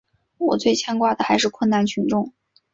我最牵挂的还是困难群众。